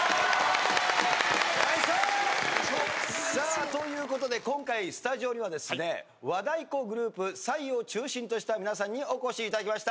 さあということで今回スタジオにはですね和太鼓グループ彩−ｓａｉ−を中心とした皆さんにお越しいただきました。